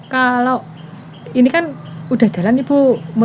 kalau ini kan udah jalan ibu